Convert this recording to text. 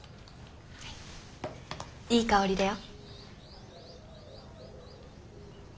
いい香りだよ。